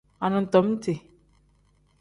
Anidomiti.